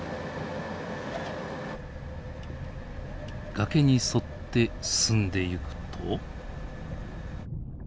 崖に沿って進んでいくと。